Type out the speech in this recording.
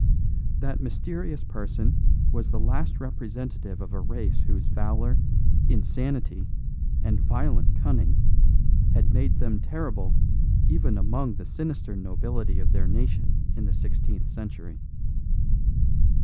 That mysterious person was the last representative of a race whose valour, insanity, and violent cunning had made them terrible even among the sinister nobility of their nation in the sixteenth century.